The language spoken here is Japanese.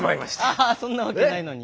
アハハそんなわけないのに。